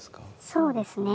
そうですね。